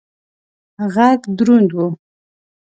غږ دروند و.